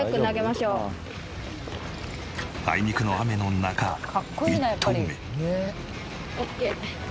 あいにくの雨の中一投目。